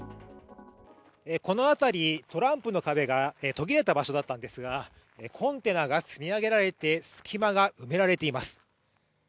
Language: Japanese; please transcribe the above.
この辺り、トランプの壁が途切れた場所だったんですが、コンテナが積み上げられて隙間が埋められています。